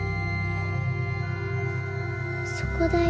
・そこだよ。